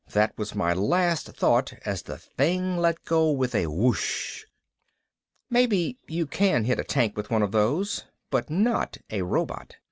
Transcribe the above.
That was my last thought as the thing let go with a "whoosh." Maybe you can hit a tank with one of those. But not a robot.